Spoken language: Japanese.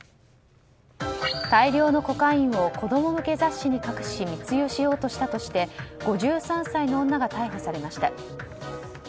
大量のコカインを子供向け雑誌に隠し密輸しようとしたとして５３歳の女が逮捕されました。